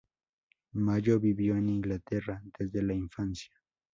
Mayo vivió en Inglaterra desde la infancia.